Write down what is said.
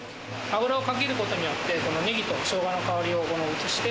油をかけることによってネギと生姜の香りを。